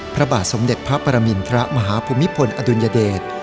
พระบาทสมเด็จพระปรมินทรมาฮภูมิพลอดุลยเดช